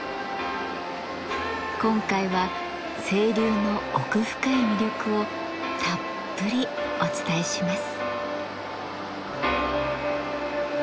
今回は清流の奥深い魅力をたっぷりお伝えします。